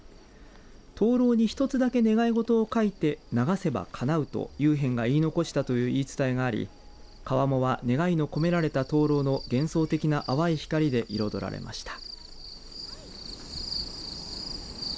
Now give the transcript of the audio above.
灯籠に一つだけ願い事を書いて流せばかなうと祐遍が言い残したという言い伝えがあり川面は願いの込められた灯籠の幻想的な淡い光で彩られました。